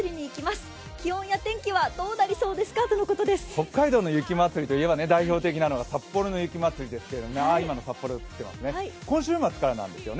北海道の雪祭りといえば、代表的なのが札幌の雪まつりですが今週末からなんですよね。